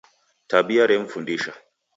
Tabia remfundisha